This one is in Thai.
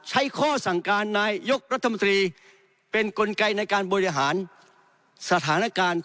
ข้อสั่งการนายยกรัฐมนตรีเป็นกลไกในการบริหารสถานการณ์